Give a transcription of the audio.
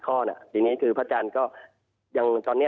ตอนนี้ก็คือยังไม่ได้